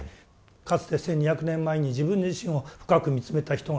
かつて１２００年前に自分自身を深く見つめた人がいる。